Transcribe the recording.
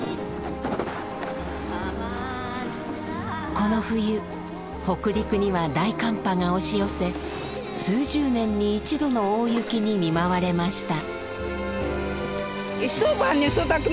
この冬北陸には大寒波が押し寄せ数十年に一度の大雪に見舞われました。